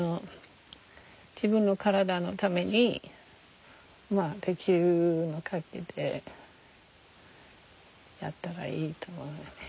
自分の体のためにまあできるかぎりでやったらいいと思うよね。